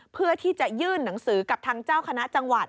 เพื่อที่จะยื่นหนังสือกับทางเจ้าคณะจังหวัด